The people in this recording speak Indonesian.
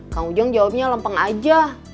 kang ujang jawabnya lempeng aja